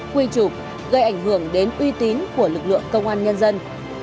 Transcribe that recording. quy chụp gây ảnh hưởng đến uy tín của lực lượng công an nhân dân